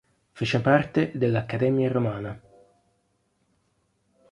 Fece parte dell'Accademia Romana.